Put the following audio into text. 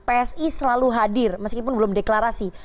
psi selalu hadir meskipun belum deklarasi